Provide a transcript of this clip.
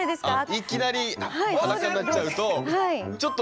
いきなり裸になっちゃうと？